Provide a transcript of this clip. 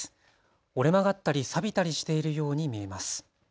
折れ曲がったりさびたりしているように見えます。